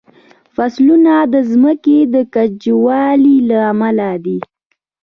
فصلونه د ځمکې د کجوالي له امله دي.